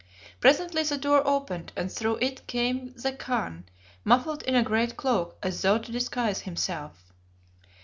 Presently the door opened, and through it came the Khan, muffled in a great cloak as though to disguise himself.